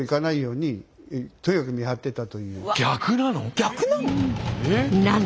逆なの！？